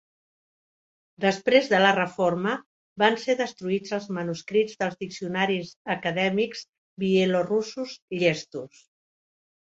Després de la reforma van ser destruïts els manuscrits dels diccionaris acadèmics bielorussos llestos.